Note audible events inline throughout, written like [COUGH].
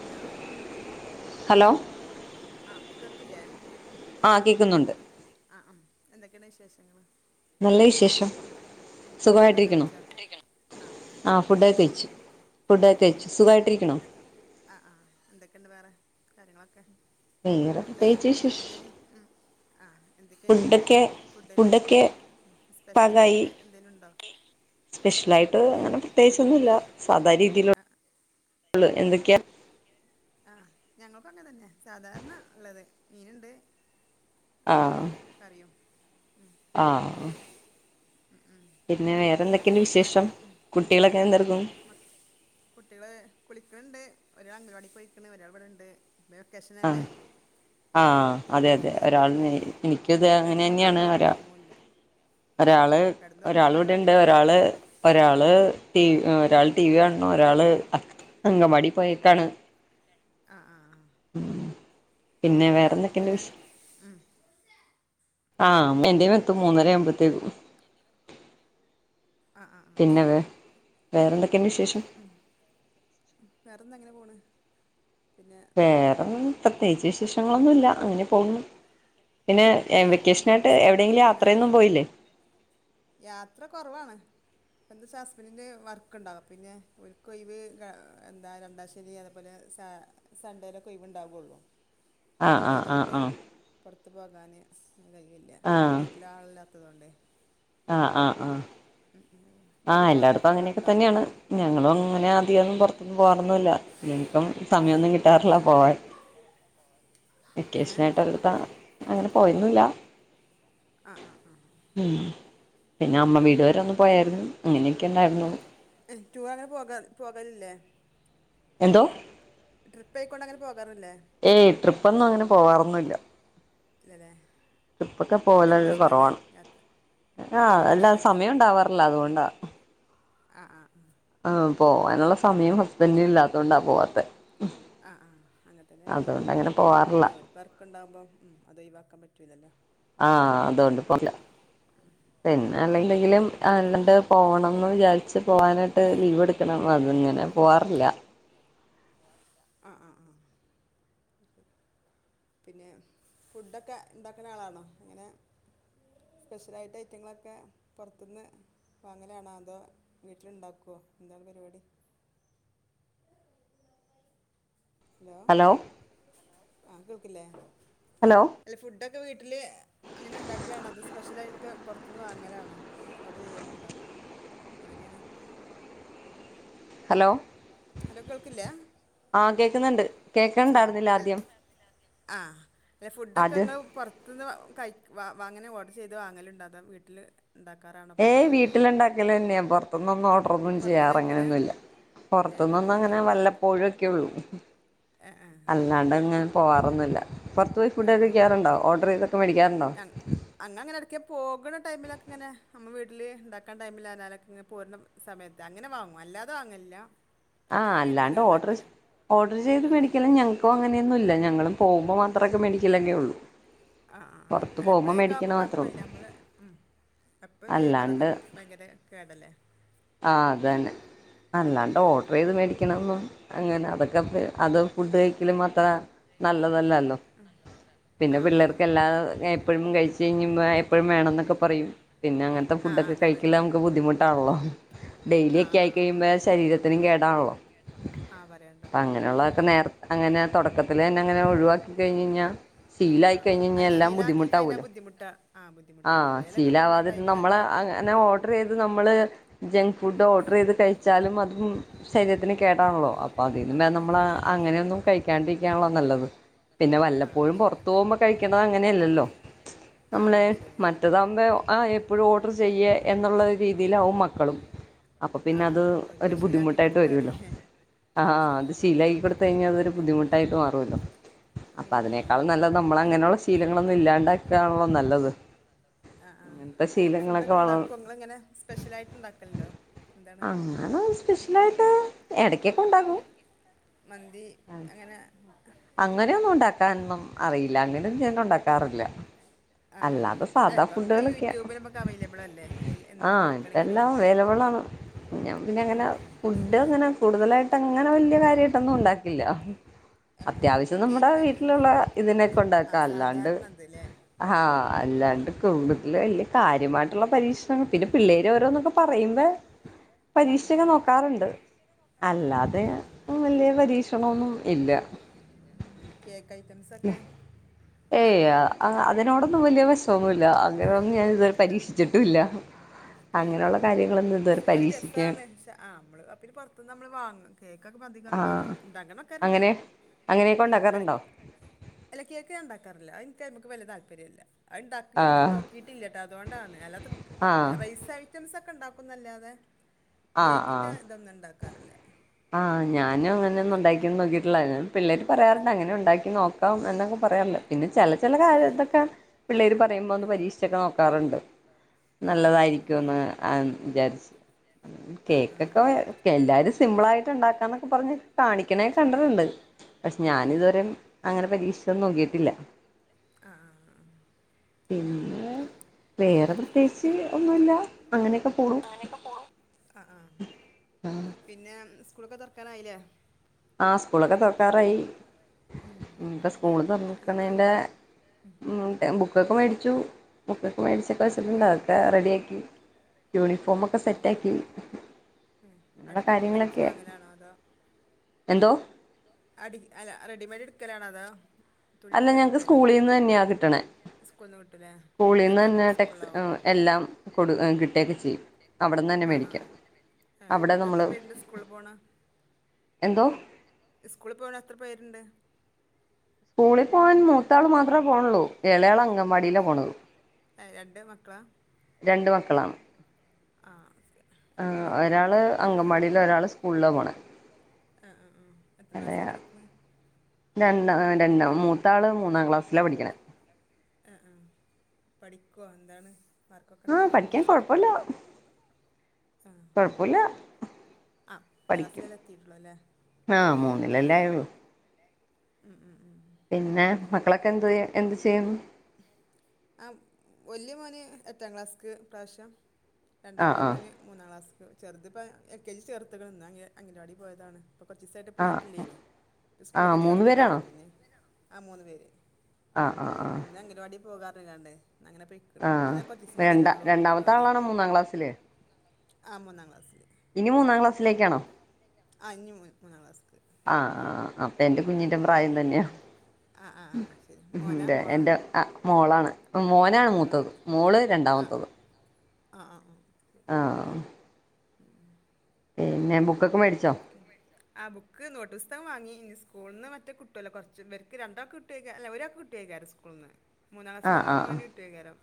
Hello hello ആഹ കേൾക്കില്ലേ ആഹാ കേക്കുന്നുണ്ട് ആ ആ എന്തൊക്കെയുണ്ട് വിശേഷങ്ങള് നല്ല വിശേഷം ഫുഡൊക്കെ സുഖമായിട്ടിരിക്കണു കഴിച്ചോ ആ ഫുഡൊക്കെ കഴിച്ചു ഉം, ഉം. ഫുഡ്ക്കെകഴിച്ചു സുഖമായിട്ടിരിക്കണു ആ ആ എന്തൊക്കെയുണ്ട് വേറെ കാര്യങ്ങളൊക്കെ വേറെ ഫുഡ് പ്രത്യേകിച്ച് വിശേഷം എന്തേന് ആഹ എന്തൊക്കെയ ഫുഡൊക്കെ ഫുഡിന് ഫുഡൊക്കെ പാകായി സ്പെഷ്യലായിട്ട് എന്തേനും ഉണ്ടോ സ്പെഷ്യലായിട്ട് അങ്ങനെ പ്രത്യേകിച്ചൊന്നുല്യ സാധാരണ രീതിയില്ള്ള എന്തൊക്കെയാ ആഹ ഞങ്ങൾക്കഅകനെന്നെ സാധാരണ ഉള്ളത് മീനുണ്ട് അക്കില്ല ആഹ് കറിയും ആഹ് പിന്നെ വേറെന്തൊക്കെയണ്ട് വിശേഷം കുട്ടികളൊക്കെ എന്തക്കും കുട്ടികള് കുളിക്കണ്ണ്ട് ഒരാൾ അംഗവാടി പോയിക്ക്‌ണ് ഒരാൾ ഇവിടെണ്ട് വെക്കേഷനല്ലേ ആഹ് ആഹ് അതെ അതെ ഫ്രീയല്ലേ ഒരാൾ ഉം എനിക്കും ഇത് പിന്നെ അങ്ങനെ കിടന്നൊന്നും തന്നെയാണ് ആരും ഒരാ ഉറങ്ങൂല്ല ആഹ് ഒരാള് ഒരാൾ കിടന്നുറങ്ങുന്ന ഇവിടെണ്ട് പരിപാടിയൊന്നും ഒരാള് ആർക്കുല്യ ഒരാള് ഒരാൾ ടി വി കാണു ഒരാള് അംഗവാടി പോയെക്കാണ് ആ ആ ആ ആ പിന്നെ മൂന്നരവും വേറെന്തൊക്കെയുണ്ട് വരാന് വിശേ ഉം ആഹ് എന്റെതും എത്തും മൂന്നര ആവുമ്പത്തേക്കും ആ ആ ആ പിന്നെ വേ വേറെന്തൊക്കെയുണ്ട് വിശേഷം ഉം വേറെന്ത അങ്ങനെ പോണ് പിന്നെ വേറെൊ എന്ത് പ്രത്യേകിച്ച് വിശേഷങ്ങളൊന്നുല്ല അങ്ങനെ പോകുന്നു പിന്നെ വെക്കേഷനായിട്ട് സ്കൂളൊക്കെ എവിടെയെങ്കിലും തുറക്കാനായില്ലേ യാത്രയൊന്നും പോയില്ലേ യാത്ര കുറവാണ് അപ്പ എന്താ വച്ചാൽ ഹസ്ബന്റന് വർക്കണ്ടാവും പിന്നെ ഒര്ക്ക് ഒഴിവ് എന്താ രണ്ടാശ്ശരി അ അതുപോലെ സൺണ്ടേലോക്കെ ഒഴിവ് ഉണ്ടാവള്ളൂ ആഹ് ആഹ് ആഹ് ആഹ് പുറത്ത് പോകാൻ കഴിയില്ല ആഹ് പിന്നെ വീട്ടില് ആളില്ലാത്തതോണ്ട് ആഹ് ആഹ് ആഹ് ഉം ഉ ആഹ് എല്ലായിടത്തും അങ്ങനെയൊക്കെ തന്നെയാണ് ഞങ്ങളും അങ്ങനെ അധികൊന്നും പുറത്തുന്നും പോകറന്നുല്ല ഞാകൾക്കും സമയമൊന്നും കിട്ടാറില്ല പോവാൻ അങ്ങനെ വെക്കേഷനയിട്ടത്ത അങ്ങനെ പോയന്നോന്നില്ല ആ ആ ആ ഉ പിന്നെ അമ്മ വീട് വരെ ഒന്ന് പോയായിരുന്നു അങ്ങനെയൊക്കെ ഉണ്ടായിരുന്നു ടൂർ അങ്ങനെ പോക പോകലല്ലേ എന്തോ ട്രിപ്പ് ട്രിപ്പ ആയിക്കൊണ്ട് അങ്ങനെ പോകാറില്ലേ ഏയ് ട്രിപ്പൊന്നും അങ്ങനെ പോവാറൊന്നുമില്ല ഇല്ലല്ലേ ട്രിപ്പൊക്കെ കുട്ടികൾക്കൊന്നും പോലൊക്കെ ഇഷ്ടമല്ലേ കുറവാണ് യാത്ര ആഹ് കുട്ടികൾക്കൊന്നും അല്ലാ ഇഷ്ടമല്ലേ സമയം ഉണ്ടാവാറില്ല അതുകൊണ്ടാ ആഹ് ആഹ് ആ് പോവാനുള്ള സമയം ഹസ്ബൻഡന് ഇല്ലാത്ത കൊണ്ടാ പോവാത്ത ആ ആ അങ്ങനത്തെല്ലെ എവിടെ അങ്ങനെ പോവാറില്ല അല്ലും വർക്കണ്ടാവുമ്പോം ഉം അത് ഒഴിവാക്കാൻ പറ്റൂ ഇല്ലോ ആഹ അതുകൊണ്ട് പോ പിന്നെ അല്ല ഉം, ഉം. എന്തെങ്കിലുംല്ലാണ്ട് പോകണംമെന്ന് വിചാരിച്ച് പോവാനായിട്ട് ലീവ് എടുക്കണം അതിങ്ങനെ പോവാറില്ല ആഹ് ആഹ് ആഹ് പിന്നെ ഫുഡൊക്കെ ഉണ്ടാക്കണ ആളാണോ അങ്ങനെ സ്പെഷ്യലായിട്ട് ഐറ്റങ്ങളൊക്കെ പുറത്തുന്ന് വങ്ങലാണോ അതോ വീട്ടില ഉണ്ടാക്കുവോ എന്താണ് പരിപാടി ഹലോ ആ കേൾക്കില്ലേ ഹലോ അല്ല ഫുഡൊക്കെ വീട്ടില് അങ്ങനെ ഉണ്ടാക്കലാണോ അത് സ്പെഷ്യലായൊക്കെ പുറത്തൂന്ന് വാങ്ങലാണോ ഓർഡറ് ചെയ്യലുണ്ടോ എങ്ങനെയാണ് ഹലോ ഹലോ കേൾക്കില്ല ആ കേക്കുന്നുണ്ട് കേക്കണ്ടായിരുന്നില്ല ആദ്യം ആഹ് അല്ല ഫുഡൊക്കെ ആദ്യം അങ്ങള് പുറത്തുനിന്ന് കൈ വാങ്ങനെ ഓഡർ ചെയ്ത് വാങ്ങലുണ്ടോ അതോ വീട്ടില് ണ്ടാക്കാറാണോ ഏയ് വീട്ടിലുണ്ടാക്കലന്നെയാ പുറത്തൂന്നൊന്നും ഓർഡർ ഒന്നും പുറത്ത് ചെയ്യാറ് കഴിക്കൂല അങ്ങനൊന്നൂല്ല അല്ലേ പൊറത്തൂന്നൊന്ന് മക്കൾക്ക് അങ്ങനെ വല്ലപ്പോഴൊക്കെള്ളൂ ആഹ് ആഹ് അല്ലാണ്ട് ഇങ്ങനെ പോവാറൊന്നില്ല പൊറത്ത് പോയി ആ ഫുഡ് ഒക്കെ കഴിക്കാറുണ്ടോ ഓർഡർ ചെയ്തൊക്കെ മേടിക്കാറുണ്ടോ അന്നങ്ങനെ ഇടയ്ക്ക് പോകണ ടൈമിലൊക്കെ ഇങ്ങനെ നമ്മ വീട്ടിൽ ഇണ്ടാക്കാൻ ടൈമില്ലാലാലൊക്കെ ഇങ്ങ് പോരുന്ന സമയത്ത് അങ്ങനെ വാങ്ങും അല്ലാതെ വാങ്ങില്ല ആ അല്ലാണ്ട് ഓർഡർ ഓഡർ ചെയ്ത് ആ മേടി ക്കലും ഞങ്ങക്കും അങ്ങനെയൊന്നുംല്ല ഞങ്ങളും പോവുമ്പോ മാത്രക്കെ മേടിക്കലന്നേ ഉള്ളൂ ആഹ് ആഹ് ആഹ് പുറത്ത് അല്ല പോകുമ്പോൾ എപ്പളേക്കെ ആവുമ്പോ മേടിക്കണ മാത്രേ ഉള്ളൂ കൊഴപ്പില്ല നമ്മള് ഉം എപ്പോം ചെയ്യുമ്പോ അതൊക്കെ അല്ലാണ്ട് ഭയങ്കര കേടല്ലേ ആഹ് അതന്നെ അല്ലാണ്ട് ഓർഡർ ചെയ്ത് മേടിക്കണൊന്നും അങ്ങനെ അതൊക് ക്കെ അത് ഫുഡ് കഴിക്കലും അത്ര നല്ലതല്ലാല്ലോ ആ പിന്നെ പിള്ളേർക്ക് ശരിയാണ് എല്ലാ എപ്പഴും കഴിച്ചു കഴിഞ്ഞ്മ്മാ എപ്പഴും വേണംന്നൊക്കെ പറയും പിന്നങ്ങനത്തെ ആ ഫുഡ് ആ, ഒക്കെ അതാണ് കഴിക്കല് നമുക്ക് ബുദ്ധിമുട്ടാണല്ലോ ഡെയിലി ആ ഒക്കെ ആ ആയി ആ ആ കഴിയുമ്പോ ശരീരത്തിനും കേടാൺള്ളോ ആ പറയണ്ടോ അങ് ഉം, ങനെയുള്ളതൊക്കെ ശരിയാണ് നേർ അങ്ങനെ തുടക്കത്തിലെന്നെ അങ്ങനെ ഒഴിവാക്കി കഴിഞ്ഞ് കഴിഞ്ഞാൽ ആ ശീലായി ആ കഴിഞ്ഞയിഞ്ഞാ അല്ല എല്ലാം ശീലാക്കി കഴിഞ്ഞാൽ ബുദ്ധിമുട്ടാവൂലോ ബുദ്ധിമുട്ടാ ആ ബുദ്ധിമുട്ടാണ് ആഹ് എപ്പോഴേലൊക്കെ കൊടുക്കുന്ന ശീലാവാതെ നമ്മളെ ടൈമിലൊക്കെ അങ്ങനെ ഓ ഡർ ചെയ്ത് നമ്മള് ജങ്ക് ഫുഡ് ഓർഡർ ചെയ്ത് കഴിച്ചാലും അതും ശരീരത്തിന് കേടാണല്ലോ അപ്പ ആ അതിലും ഭേദം നമ്മൾ ഭയങ്കര കേടല്ലേ അങ്ങനെയൊന്നും കഴിക്കാണ്ടിരിക്കാണല്ലോ നല്ലത് പിന്നെ ആ ആ വല്ലപ്പോഴും ശരിയാണ് പൊറത്ത്പോകുമ്പ കഴിക്കണത് അങ്ങനെയല്ലല്ലോ ആ ആ നമ്മള് ശരിയാണ് മറ്റതാവുമ്പേ ആ എപ് പ്പഴും ഓഡർ ചെയ്യ എന്നുള്ള രീതിലാവും മക്കളും അപ്പൊ ആ പിന്നെ അത് ഒരു ഒരിക്കൽ ശീലാക്കി ബുദ്ധിമുട്ടായിട്ട് കൊടുത്താലേ വരൂല്ലോ ആ ആഹ് അത് ശരിയാണ് ശീലായി കൊടുത്തു കഴിഞ്ഞാൽ അത് ഒരു ബുദ്ധിമുട്ടായിട്ട് മാറുമല്ലോ അപ്പൊ ഉം, ഉം, ഉം. അതിനേക്കാളും നല്ലത് നമ്മളങ്ങനെയുള്ള ശീലങ്ങളൊന്നും ഇല്ലാണ്ടാക് ആഹ് ആഹ് അങ്ങനത്തെ അങ്ങനെ ശീലങ്ങളൊക്കെ ഫുഡൊക്കെ വളർ ഇണ്ടാക്ക്വോ നിങ്ങളങ്ങനെ സ്പെഷ്യലായിട്ട്ണ്ടാക്കല്ണ്ടോ എന്താണ് ആഹ് സ്പെഷ്യലായിട്ട് എടക്കെക്കെ ഉണ്ടാക്കും മന്തി അങ്ങനെ അങ്ങനെയൊന്നും ഉണ്ടാക്കാനൊന്നും അറിയില്ല അങ്ങനൊന്നും ഞാൻ ഉണ്ടാക്കാറില്ല ആ ആ ആ അല്ലാതെ അല്ല സാധാ ഇപ്പൊ ഒക്കെ ഫുഡുകളെക്കെയാ യൂട്യൂബിൽ നമുക്ക് അവൈലബിൾ അല്ലേ അതിൽ എന്ത് ആഹ് നോക്കണെങ്കിലും എന്തെല്ലാം അവെയ്ലബിളാണ് ഞാം പിന്നെ അങ്ങനെ ഉം, ഉം. ഫുഡ് അങ്ങനെ കൂടുതലായിട്ട് അങ്ങന വല്ല്യ കാര്യായിട്ടൊന്നും ഉണ്ടാക്കില്ല ആ ആ അത്യാവശ്യം നമ്മുടെ കേക്ക് ഐറ്റംസ് വീട്ടിലുള്ള ഇതിനൊക്കെ ആ ഉണ്ടാക്കാ അല്ലാണ്ട് സാധാരണ അത് അല്ലേ ഹാ ആ അല്ലാണ്ട് കുടുംബത്തില് വല്ല്യ കാര്യമായിട്ടുള്ള പരീക്ഷണങ്ങൾ പിന്നെ പിള്ളേർ ഓരോന്നൊക്കെ പറയുമ്പേ ആ ആ പരീക്ഷിച്ചൊക്കെ നോക്കാറുണ്ട് അല്ലാതെ ആ ആ വല്ല്യ പരീക്ഷണൊന്നും ഇല്ല കേക്ക്ഐറ്റംസൊക്കെ ഏയ് അ അ അതിനോടൊന്നും വലിയ വശോന്നൂല്ല അങ്ങനൊന്നും ഞാൻ ഇതുവരെ പരീക്ഷിച്ചിട്ടൂല്ല ആ ആ അങ്ങനുള്ള കാര്യങ്ങളൊന്നും ഇതുവരെ പരീക്ഷിക്കാൻ ആഹ് അമ്മള് പിന്നെ പൊറത്ത്ന്ന് അമ്മള് വാങ്ങും കേക്കൊക്കെപ്പൊ ആഹ് അധികഒന്നുംവാങ്ങല്ല ഇണ്ടാകണക്കാരുണ്ട് അങ്ങനെ അങ്ങനെയൊക്കെ ഉം ഉണ്ടാക്കാറുണ്ടോ കേക്ക് ഇണ്ടാക്കലുണ്ടോ അല്ല കേക്ക് ഞാൻ ഇണ്ടാക്കാറില്ല അഇൻക്ക് അയിമ്മക്ക് വല്ല്യ താൽപ്പര്യല്ല അഇണ്ടാ കീ ആഹ് നോക്കിട്ടില്ലട്ടോ അതുകൊണ്ടാണ് അല്ലാത്ത ആഹ് റൈസാ റ്റംസൊക്കെണ്ടാക്കുന്നല്ലാതെ ആഹ് കേക്കിന്റെ ആഹ് ഇതൊന്നും ഉണ്ടാക്കാറില്ല ആഹ് ഞാനും അങ്ങനെന്നും അത് ഉണ്ടാക്കിന്ന് നോക്കിട്ടില്ല ഞാൻ പിള്ളേര് പറയാറുണ്ട് അങ്ങനെ ഉണ്ടാക്കി നോക്കാം എന്നൊക്കെ പറയാറില്ല പിന്നെ ചെല ചെല കാര്യ ഇതൊക്കെ പിള്ളേര് പറയുമ്പോ ഒന്ന് പരീക്ഷിച്ചൊക്കെ നോക്കാറുണ്ട് ആ ആ ആ നല്ലതായിരിക്കോന്ന് ആഹ് വിചാരിച്ച് ആ ആ ആ ശരി കേക്കൊക്കെ എല്ലാരും സിമ്പിളായിട്ട് ഇണ്ടാക്കാന്നൊക്കെ പറഞ്ഞ് കാണിക്കണായി കണ്ട്ട്ട്ണ്ട് പക്ഷെ ആ ഞാനിതുവരെ അങ്ങനെ പരീക്ഷിച്ചൊന്നും നോക്കിട്ടില്ല ആഹ് ആഹ് ആഹ് പിന്നെ വേറെ പ്രത്യേകിച്ച് ഒന്നുല്ല അങ്ങനെക്കെ അങ്ങനെക്കെ പോണു ആഹ് ആഹ് പിന്നെ സ്കൂളൊക്കെ തൊറക്കാനായിലെ ആഹ് സ്കൂളൊക്കെ തൊറക്കാറായി ഉം. ഇൻപ്പോ എന്താ സ്കൂള് എല്ലാം തൊറക്ക്ണേന്റെ വാങ്ങിയോ ഉം എം ബുക്കൊക്കെ മേടിച്ചു ബുക്കൊക്കെ ആ മേടിച്ചൊക്കെവെച്ച്ട്ട്ണ്ട് അതൊക്കെ റെഡിആക്കി യൂണി ആ ഫോമൊക്കെ ആ, സെറ്റാക്കി ഇള്ള കാര്യങ്ങളൊക്കെ ആണോ അതോ എന്തോ അടി അല്ല റെഡിമെയ്ഡ് ഇട്ക്കലാണോ അതോ തുണി അല്ല എടുത്ത് ഞങ്ങക്ക് അടിക്കലോ സ്കൂളിന്ന് തന്നെയാ കിട്ടണേ സ്കൂളിൽ നിന്ന് കിട്ടൂലേ ആ സ്കൂളിന്ന് തന്നെ ഗവൺമെൻറ് ടെക്സ് സ്കൂളിലാവും ആഹ് എല്ലാം കൊടു ഏഹ് കിട്ടേക്കചിയ്യും ഏഹ് ആഹ് ആഹ് ഏഹ് അവിടെ എത്ര നമ്മള് പേര്ണ്ട് സ്കൂള് പോണ് എന്തോ സ്കൂള് പോണ എത്ര പേരുണ്ട് സ്കൂളി പോകാൻ മൂത്താൾ മാത്രേ പോണള്ളൂ എളേയാള് അങ്കൻവാടിയിലാ പോണത് ഏഹ് രണ്ട് മക്കളാ രണ്ട് മക്കളാണ് ആഹ് ഒക്കെ ആഹ് ഒരാള് അങ്കംവാടിൽ ഒരാള് സ്കൂളിലാ പോണെ ആഹ് ആഹ് ഉം എത്രാ എളയ ക്ലാസ്സിലാ പഠിക്ക്ണ് രണ്ട രണ്ട മൂത്താള് മൂന്നാം ക്ലാസ്സിലാ പഠിക്ക്ന് ആഹ് ആഹ് പഠിക്കോ എന്താണ് മാർക്കൊക്കെ ആഹ് പഠിക്കാൻ ഉണ്ടാവാറുണ്ടോ കൊഴപ്പല്ല ആ കൊഴപ്പൊല്ല ആ ഒന്നാം പഠിക്കും ക്ലാസ്സിലല്ലേ എത്തിയിട്ടുള്ളൂ അല്ലേ ആഹ് മൂന്നിലല്ലേ ആയുള്ളൂ ഉം ഉം ഉം പിന്നെ മക്കളൊക്കെ എന്ത് എന്ത് ചെയ്യുന്നു അം വല്ല്യ മോന് എത്രാം ക്ലാസ്ക്ക് ഈപ്രാവശ്യം? ആഹ് രണ്ടാമത്തെ ആഹ് മോന് മൂന്നാം ക്ലാസ്ക്ക്. ചെറുത് ഇപ്പ എൽ കെ ജി ചേർത്ത്ക്ക്ണ്. ഇന്ന് അങ്ങ് അങ്കണവാടീ പോയതാണ്. ഇപ്പൊ കുറച്ച് ദിവസായിട്ട് ആഹ് പോയിട്ടില്ലേനി. സ്കൂളൊക്കെ ആഹ് മൂന്ന് ചേർത്തതല്ലെ. പേരാണോ പിന്നെ ആഹ് മൂന്ന് പേര്. ആഹ് ആഹ് ആഹ് ഇന്ന് അംഗൻവാടിൽ പോകാറുങ്ങാണ്ട്. ഇന്ന് അങ്ങനെ പോയ് ആഹ് ഏതാ കൊറച്ചു ദിവസം കൂടിയല്ലേ രണ്ട ഉള്ളൂ രണ്ടാമത്തെ അങ്കണവാടി. ആളാണോ മൂന്നാം ക്ലാസ്സില് ആഹ് മൂന്നാം ക്ലാസ്സില് ഇനി മൂന്നാം ക്ലാസിലേക്കാണോ? ഇഞ്ഞ് മൂ മൂന്നാം ക്ലാസ്ക്ക്. ആ, ആ,. അപ്പെ എന്റെ കുഞ്ഞിന്റെ പ്രായം തന്നെയാ. ആ ആ ആ ശരി മോനാ ൻ്റെ മോളാ എൻ്റെ അഹ് മോളാണ് മോനാണ് മോളാണ് മൂത്തത്. മോള് ആ രണ്ടാമത്തത്. ആ, ആ, ആ. ശരി ആ. പിന്നെ ബുക്കൊക്കെ മേടിച്ചോ? പോയ് [UNINTELLIGIBLE] മേടിച്ചാ? ആ, ബുക്ക് നോട്ട് പുസ്തകം വാങ്ങി. ഇനി സ്കൂൾ ന്ന് മറ്റേ കിട്ടുവല്ലോ കുറച്ച് ഇവർ ക്ക് രണ്ടാൾക്ക് കിട്ടുകെരം അല്ല ഒരാൾക്ക് കിട്ടുകെരം, സ്ക്കൂ ക്കൂൾന്ന്. മൂന്നാം ക്ലാസ്ത്തെ ആഹ് ആഹ് മോന് കിട്ടുകെരം.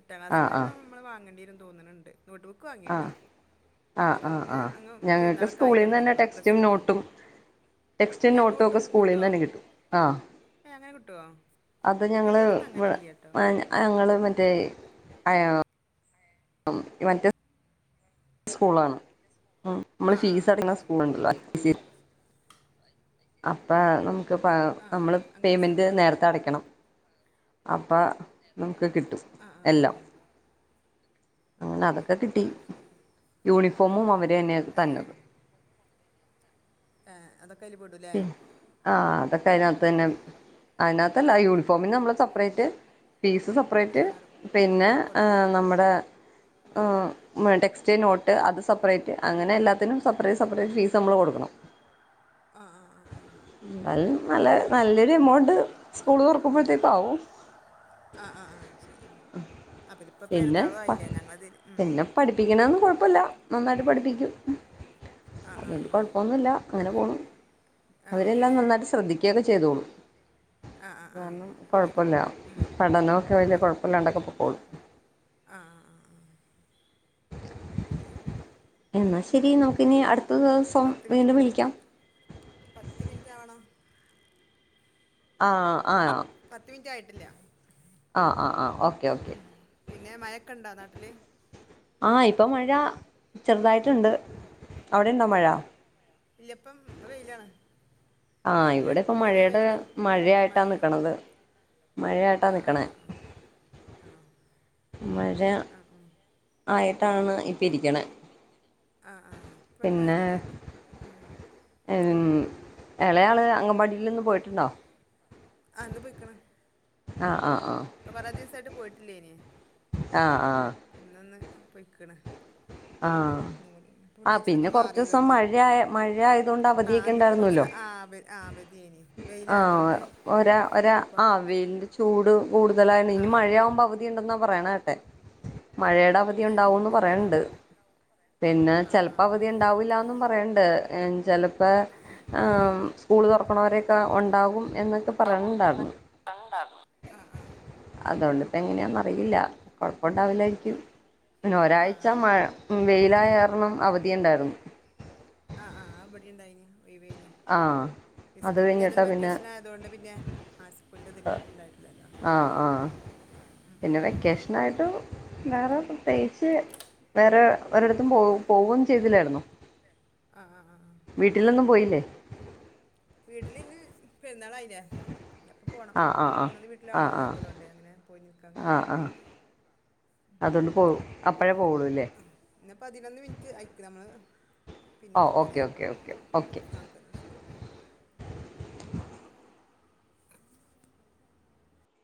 എട്ടാം ആഹ് ക്ലാസ്സിലെന്നെ ആഹ് ഇമ്മള് വാങ്ങേണ്ടി വരുന്ന് തോന്നണണ്ട്. നോട്ടുബു ക്ക് വാങ്ങീട്ടോ. ആഹ് ആഹ് പക്ഷെ അത് ആഹ് പിന്നെ ആഹ് അങ്ങ് ഞങ്ങൾക്ക് പെരുന്നാളൊക്കെ ആയി സ്കൂളിൽ നിന്ന് തുടങ്ങീല്ലെ. അപ്പവന് ഡ്രസ് എടുക്കാം. ടെസ്‌റ്റും ഏ നോട്ടു നോട്ട് ഒക്കെ സ്കൂളിൽ നിന്ന് കിട്ടുമോ തന്നെ കിട്ടും. ആ. ഏ അങ്ങനെ കിട്ടുമോ അത് ഞങ്ങൾ ഏ ഇവിടെ ഒന്നും അങ്ങനെ ഇവടെ ഇല്ല കേട്ടോ മാഞ്ഞ ഞങ്ങളൾ മറ്റേ അയോ ഉം. മറ്റേ സ്കൂളാണ്. ആ ഇമ്മളൾ ആ ആ ഫീസ് അടക്കണ ശരി സ്കൂളുണ്ടല്ലോ. ഐ സി അപ്പ നമ്മുക് പ ആ ആ നമ്മൾ അങ്ങനത്തെ പേയ്മെൻറ് സ്കൂളിലാണ് നേരത്തെ അടയ്ക്കണം. അപ്പെ നമുക്ക് കിട്ടും ആ ആ എല്ലാം. അങ്ങനെ ഹലോ, അതൊക്കെ ആ കിട്ടി ശരി. യൂണിഫോമും അവര് തന്നെയാ തന്നത്. എ,. അതൊക്കെ അതില് പെടൂല്ലേ. പിന്നെ ആ, അതൊക്കെ അതിനകത്ത് തന്നെ അതിനകത്തല്ല. യൂണിഫോമിന് നമ്മൾ സെപ്പറേറ്റ് ഫീസ് സ പ്പറേറ്റ് ആ വേറെ പിന്നെ ഏ, കൊടുക്കണം നമ്മുടെ ഏ. ഇമ്മടെ ടെക്സ്റ്റ് നോട്ട് അത് സെപ്പറേറ്റ് അങ്ങനെ എല്ലാത്തിനും സെപ്പറേറ്റ് സെപ്പറേറ്റ് ഫീസ് നമ്മൾ കൊടുക്കണം. ആ, ആ, ആ. എന്നാലും നല്ല നല്ലൊരു എമൗണ്ട് സ്കൂൾ തുറക്കുമ്പോഴത്തേക്കും ആകും. ആ, ആ, ആ, ശരി അപ്പ ഇപ്പ പിന്നെ പെരുന്നാളും ആയില്ലേ. ഞങ്ങളതി ഉം. പഠിപ്പിക്കണതൊന്നും കുഴപ്പല്ല. നന്നായിട്ട് പഠിപ്പിക്കും. ആ ആ ആ കുഴപ്പമൊന്നുല്ല. അങ്ങനെ പോണു. ആ അവര് എല്ലാം നന്നായിട്ട് ശ്രദ്ധിക്കയൊക്കെ ചെയ്തോളും. ആ ആ ആ കാരണം ശരി കുഴപ്പല്ല. ഉം. പഠനമൊക്കെ വലിയ കുഴപ്പമില്ലാണ്ടൊക്കെ പൊക്കോളും. ആ, ആ, ആ. [INAUDIBLE] എന്നാ ശരി. നമുക്കിനി അടുത്ത ദിവസം പത്ത് മിനിറ്റ് വീണ്ടും വിളിക്കാം. പത്ത് മിനിറ്റ് ആവണം. ആ, ആ. പത്ത് മിനിറ്റ് ആയിട്ടില്ല. ആ, ആ, ആ, ഓക്കെ, ഓക്കെ. പിന്നെ മഴക്കെ ഉണ്ടോ നാട്ടില്? ആ, ഇപ്പോ മഴ ചെറുതായിട്ടുണ്ട്. അവിടെയുണ്ടോ ആ, മഴ ഇല്ല ഇപ്പം, വെയിലാണ്. ആ, പക്ഷെ ഇങ്ങ- ഇവിടെ ഇടയ്ക്ക് ഇപ്പോ ഇങ്ങനെ മഴയുടെ വെയിലും ഇടയ്ക്ക് മഴയായിട്ടാ മഴയും നിക്കണത്. മഴയായിട്ടാ നിക്കണേ. അ, അ. ആയിട്ടാണ് ഇപ്പ ഇരിക്കണേയ്. ആഹ് ആഹ് പിന്നെ എൻ എളെയാള് അങ്കമ്പാടിയിൽ ന്ന് പോയിട്ടുണ്ടോ ആ ഇന്ന് പോയ്‌ക്ന് ആഹ് ആഹ്ആഹ് പ്പ കുറെ ദിസായിട്ട് പോയിട്ടില്ലേ നി ആഹ് ആഹ് ഇന്നന്ന് പൊയിക്ണ് ആഹ് ആ പിന്നെ കൊറച്ചസം മാറിയതുകൊണ്ട് മഴയ മഴയതൊണ്ടാ ആ പതിയെക്കോ അന്ന് പിന്നെ കുറച്ച് ണ്ടായിരുന്നോലോ ആ ആ അവധിയേനി ആഹ് വെയിലായതുകൊണ്ട് ഒരാ ആ പൊറ ഒരാവെയിൽന്റെ ചൂട് കൂടുതലായിണ് ആ ഇനി മഴയാകുമ്പോ അവധി ഉണ്ടെന്നാ പറയണെ കേട്ടെ മഴയുടെ അവധി ഏ ഉണ്ടാവുന്ന് പറയണ്ട് ഇന്നെന്താണാവോ പിന്നെ ആ ആ ചെലപ്പോ അവധി ഉണ്ടാവില്ലാന്നും പറയണ്ട് ഏ ചെലപ്പ പ്പ സ്കൂള് തുറക്കണവരെയൊക്കെ ഉണ്ടാകും എന്നൊക്കെ പറയിണ്ടായിരുന്നു ആണാണോഅ ഹ്അഹ് അതൊണ്ടിപ്പങ്ങനെയാന്നറിയില്ല ആ കൊഴപ്പണ്ടാവുലായിരിക്കും പിനെ ആ ഒരാഴ്ച വെയിലായാരണം അവധിയുണ്ടായിരുന്നു ആഹ് ആഹ് അവിടെ ഉണ്ടായിന് ഒഴിവേനി ആഹ് സ്കൂൾ പിന്നെ ഏതെലും വെക്കേഷൻ ആയതൊണ്ട് പിന്നെ ഹ സ്കൂളിതി ഇതായിട്ടില്ലല്ലോ ആ ആ പിന്നെ വെക്കേഷൻ നായിട്ട് വേറെ പ്രത്യേകിച്ച് വേറെ ഒരിടത്തും പോ പോവുകയവും ചെയ്തില്ലായിരുന്നു ആഹ് ആഹ് ആഹ് വീട്ടിലൊന്നും പോയില്ലേ വീട്ടിലിന്ന് പെരുന്നാളായില്ലേ അപ്പ പോണം ആ ആ ആ ഒന്നത് വീട്ടില ആ ആ ആളല്ലാത്തതൊണ്ട് അങ്ങനെ പോയി നിക്കാൻ കഴില്ല അതൊണ്ട് പോകു അപ്പഴേ പോകു ള്ളുല്ലേ ആ ന്ന പതിനൊന്ന് മിനിറ്റ് അയക്ക നമ്മള് പിന്നെ ഓ ഓക്കെ വിളിക്കല്ലേ ഓക്കെ ഓക്കെ ഓക്കെ ആ അത് ശരി